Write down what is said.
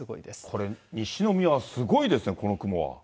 これ、西宮はすごいですね、この雲は。